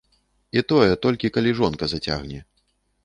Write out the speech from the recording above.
І тое, толькі калі жонка зацягне.